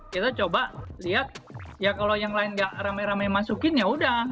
kita coba lihat ya kalau yang lain gak rame rame masukin ya udah